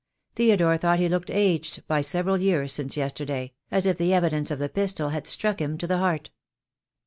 Theodore thought he looked aged by several years since yesterday, as if the evidence of the pistol had struck him to the heart.